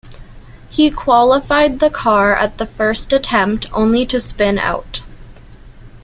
He qualified the car at the first attempt, only to spin out.